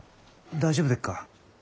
大丈夫でっか？